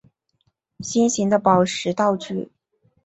心形的宝石道具。